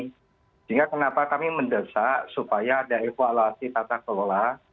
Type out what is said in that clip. sehingga kenapa kami mendesak supaya ada evaluasi tata kelola